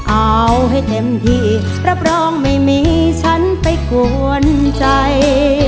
เอาให้เต็มที่รับรองไม่มีฉันไปกวนใจ